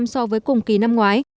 so với cùng kỳ năm ngoái